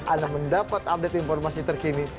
anda mendapat update informasi terkini